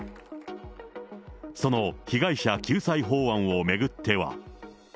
その被害者救済法案を巡っては。